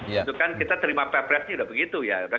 itu kan kita terima perpresnya sudah begitu ya